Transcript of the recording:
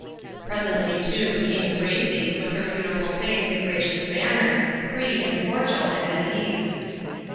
Presently, too, came Gracie, with her beautiful face and gracious man ner, free and cordial and at ease.